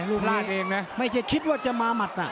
ลูกราชเองนะไม่ใช่คิดว่าจะมาหมัดน่ะ